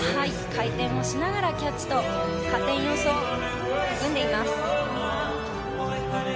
回転をしながらキャッチと加点要素を含んでいます。